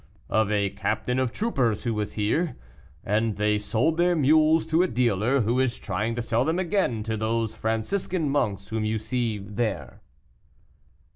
"Of a captain of troopers who was here, and they sold their mules to a dealer, who is trying to sell them again to those Franciscan monks whom you see there."